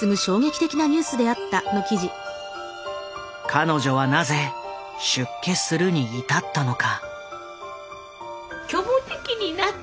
彼女はなぜ出家するに至ったのか。